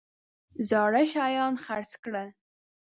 زاړه شیان خرڅ کړل.